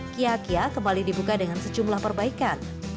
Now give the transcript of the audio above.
kiyakia kembali dibuka dengan sejumlah perbaikan